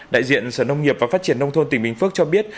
đại diện sở nông nghiệp và phát triển nông thôn tỉnh bình phước cho biết